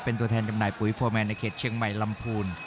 เป็นตัวแทนจำหน่ายปุ๋ยโฟร์แมนในเขตเชียงใหม่ลำพูน